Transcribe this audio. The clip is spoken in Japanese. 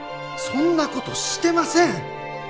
そんな事してません！